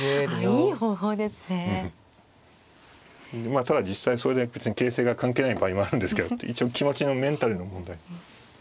まあただ実際それで別に形勢が関係ない場合もあるんですけど一応気持ちのメンタルの問題。